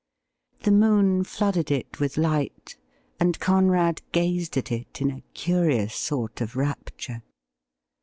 The moon flooded it with light, and Conrad gazed at it in a curious sort of rapture.